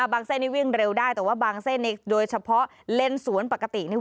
เส้นนี้วิ่งเร็วได้แต่ว่าบางเส้นโดยเฉพาะเลนสวนปกติเนี่ย